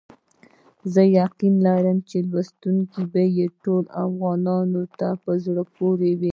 زه یقین لرم چې لوستل به یې ټولو افغانانو ته په زړه پوري وي.